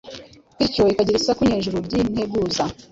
bityo ikagira isaku nyejuru ry’integuza